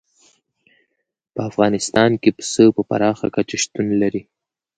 په افغانستان کې پسه په پراخه کچه شتون لري.